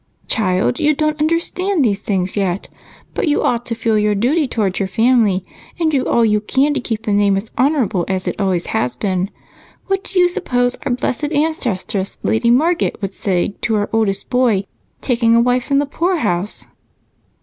"Child, you don't understand these things yet, but you ought to feel your duty toward your family and do all you can to keep the name as honorable as it always has been. What do you suppose our blessed ancestress Lady Marget would say to our oldest boy taking a wife from the poorhouse?"